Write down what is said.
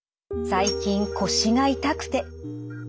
最近腰が痛くて。